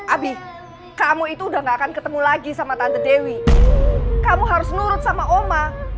abi kamu itu udah gak akan ketemu lagi sama tante dewi kamu harus nurut sama oma